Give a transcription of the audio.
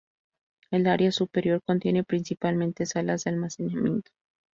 El área superior contiene principalmente salas de almacenamiento.